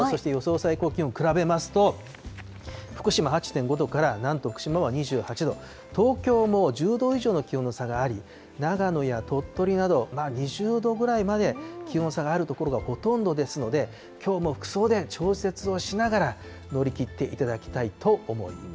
けさ６時までの最低気温とそして予想最高気温比べますと、福島８．５度からなんと福島は２８度、東京も１０度以上の気温の差があり、長野や鳥取など２０度ぐらいまで気温差がある所がほとんどですので、きょうも服装で調節をしながら乗り切っていただきたいと思い